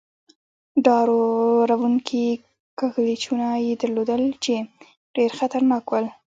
ډار و ر و نکي کږلېچونه يې درلودل، چې ډېر خطرناک ول.